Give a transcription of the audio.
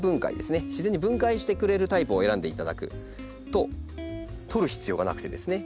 自然に分解してくれるタイプを選んでいただくと取る必要がなくてですね